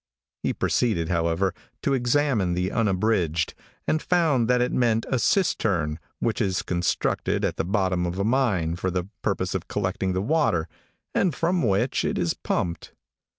He proceeded, however, to examine the unabridged, and found that it meant a cistern, which is constructed at the bottom of a mine for the purpose of collecting the water, and from which it is pumped.